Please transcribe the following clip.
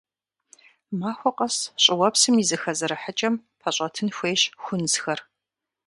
Махуэ къэс щӏыуэпсым и зэхэзэрыхьыкӏэм пэщӏэтын хуейщ хунзхэр.